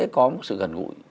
có một sự gần gũi